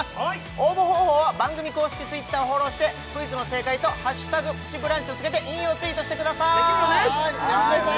応募方法は番組公式Ｔｗｉｔｔｅｒをフォローしてクイズの正解と「＃プチブランチ」をつけて引用ツイートしてくださいやしろさん